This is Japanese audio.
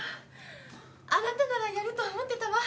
あなたならやると思ってたわ。